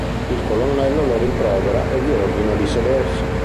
Il colonnello lo rimprovera e gli ordina di sedersi.